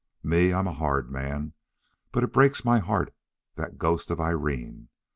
Me, I'm a hard man, but it breaks my heart, that ghost of Irene.